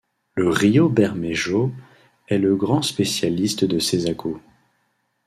Le Río Bermejo est le grand spécialiste de ces à-coups.